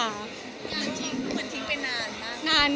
งานทิ้งทุกคนทิ้งไปนานนะ